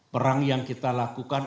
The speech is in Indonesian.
perang yang kita lakukan